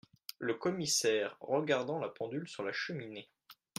Le Commissaire , regardant la pendule sur la cheminée.